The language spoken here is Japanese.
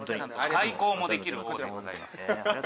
外交もできる王でございます。